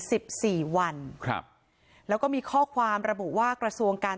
สิบสี่วันครับแล้วก็มีข้อความระบุว่ากระทรวงการ